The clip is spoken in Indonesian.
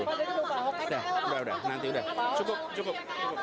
udah udah udah nanti udah cukup cukup